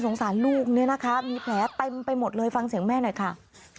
สารลูกเนี่ยนะคะมีแผลเต็มไปหมดเลยฟังเสียงแม่หน่อยค่ะ